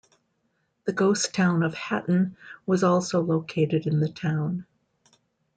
The ghost town of Hatton was also located in the town.